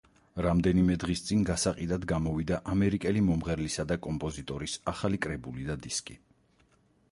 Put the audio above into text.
რამდენიმე დღის წინ გასაყიდად გამოვიდა ამერიკელი მომღერლისა და კომპოზიტორის ახალი კრებული და დისკი.